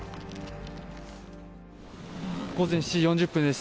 午前７時４０分です。